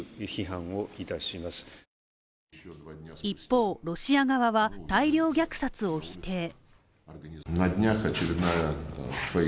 一方、ロシア側は大量虐殺を否定。